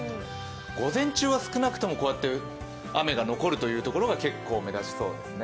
午前中は少なくともこうやって雨が残るという所が結構、目立ちそうですね。